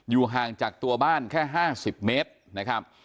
ห่างจากตัวบ้านแค่๕๐เมตรนะครับ